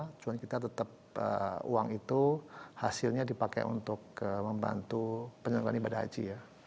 tujuan kita tetap uang itu hasilnya dipakai untuk membantu penyelenggaraan ibadah haji ya